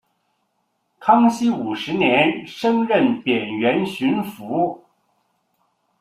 康熙五十年升任偏沅巡抚。